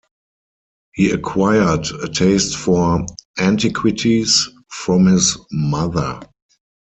He acquired a taste for antiquities from his mother.